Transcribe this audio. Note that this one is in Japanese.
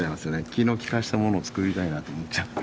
気の利かしたものを作りたいなと思っちゃって。